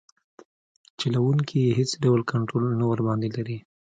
چلوونکي یې هیڅ ډول کنټرول نه ورباندې لري.